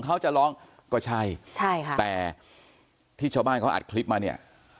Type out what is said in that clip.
ก็ใช่แต่ที่ชาวบ้านเขาอัดคลิปมาเนี่ย